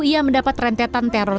ia mendapat rentetan teror